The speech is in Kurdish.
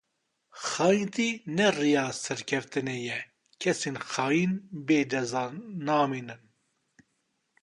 Xayîntî ne riya serkeftinê ye, kesên xayîn bê ceza namînin.